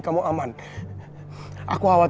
sampai jumpa lagi